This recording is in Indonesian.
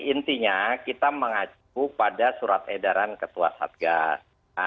intinya kita mengacu pada surat edaran ketua satgas